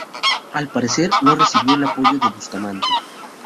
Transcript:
Al parecer, no recibió el apoyo de Bustamante.